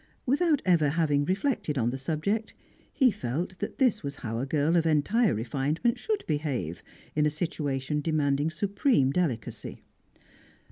Without ever having reflected on the subject, he felt that this was how a girl of entire refinement should behave in a situation demanding supreme delicacy.